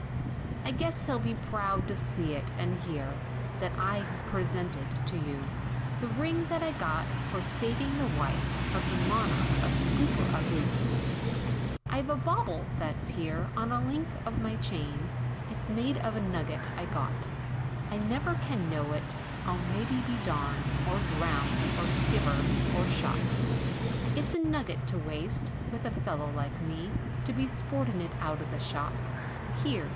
"I guess he'll be proud to see it, and hear, That I have presented to you, The ring that I got, for savin' the wife, Of the Monarch of Scooperaboo. "I've a bauble that's here, on a link of my chain, It's made of a nugget I got, I never can know it, I'll maybe be darned! Or drowned! or skivered! or shot! "It's a nugget to waste, with a fellow like me, To be sportin' it out of the shop, Here!